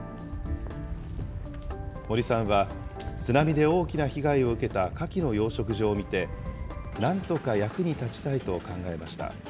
森さんは津波で大きな被害を受けたカキの養殖場を見て、なんとか役に立ちたいと考えました。